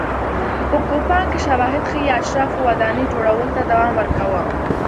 په کوپان کې شواهد ښيي اشرافو ودانۍ جوړولو ته دوام ورکاوه.